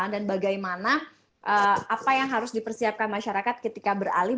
dan bagaimana apa yang harus dipersiapkan masyarakat ketika beralih